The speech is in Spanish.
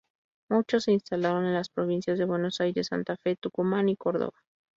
Muchos se instalaron en las provincias de Buenos Aires, Santa Fe, Tucumán y Córdoba.